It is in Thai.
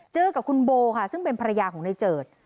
เจอกับคุณโบค่ะซึ่งเป็นภรรยาของนายเจิด